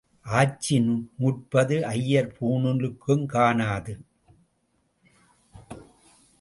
ஆச்சி நூற்பது ஐயர் பூணூலுக்கும் காணாது.